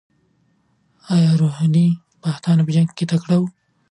ایا روهیلې پښتانه په جنګ کې تکړه وو؟